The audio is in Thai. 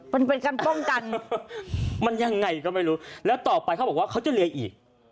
มันเป็นการป้องกันมันยังไงก็ไม่รู้แล้วต่อไปเขาบอกว่าเขาจะเรียนอีก